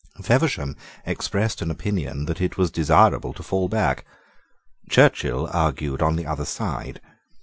Feversham expressed an opinion that it was desirable to fall back. Churchill argued on the other side.